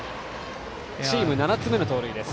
チーム７つ目の盗塁です。